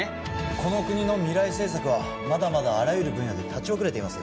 この国の未来政策はまだまだあらゆる分野で立ち遅れています